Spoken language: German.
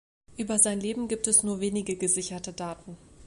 Über sein Leben gibt es nur wenige gesicherte Daten.